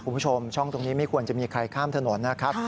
คุณผู้ชมช่องตรงนี้ไม่ควรจะมีใครข้ามถนนนะครับ